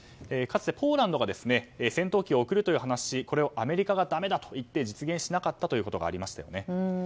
かつてポーランドが戦闘機を送るという話あったがこれをアメリカがだめだと言って実現しなかったことがありましたよね。